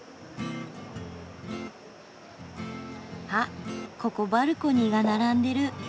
あっここバルコニーが並んでる。